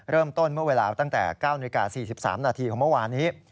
เริ่มต้นเมื่อเวลาตั้งแต่๙นาที๔๓นาทีของเมื่อวานนี้